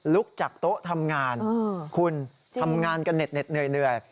ลุกจากโต๊ะทำงานคุณทำงานกันเหน็ดเหนื่อย